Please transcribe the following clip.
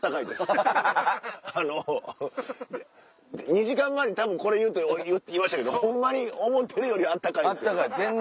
２時間前にたぶんこれ言うって言いましたけどホンマに思ってるより暖かいですよ。